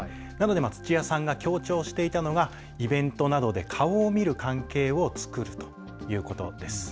土屋さんが強調していたのがイベントなどで顔が見える関係を作るということです。